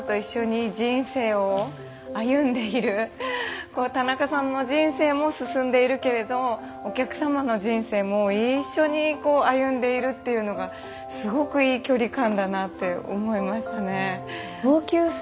本当にこう田中さんの人生も進んでいるけれどお客様の人生も一緒にこう歩んでいるというのがすごくいい距離感だなって思いましたね。